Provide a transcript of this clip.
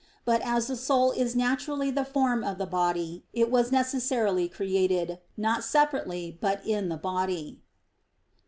But as the soul is naturally the form of the body, it was necessarily created, not separately, but in the body.